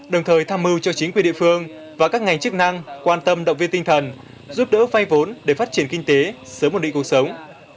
đồng thời tham mưu cho chính quyền địa phương và các ngành chức năng quan tâm động viên tinh thần giúp đỡ phay vốn để phát triển kinh tế sớm một định cuộc sống